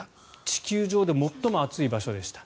地球上で最も暑い場所でした。